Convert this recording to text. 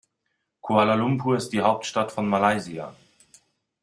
Kuala Lumpur ist die Hauptstadt von Malaysia.